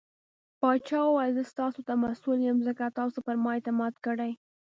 پاچا وويل :زه ستاسو ته مسوول يم ځکه تاسو پرما اعتماد کړٸ .